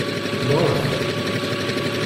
Nɣet!